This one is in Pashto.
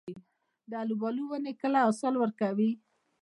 د الوبالو ونې کله حاصل ورکوي؟